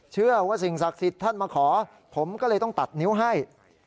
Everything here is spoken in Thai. เชื่อว่าสิ่งศักดิ์สิทธิ์ท่านมาขอผมก็เลยต้องตัดนิ้วให้